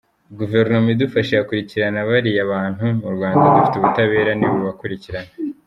Guverinoma idufashije yakurikirana bariya bantu, mu Rwanda dufite ubutabera nibubakurikirane.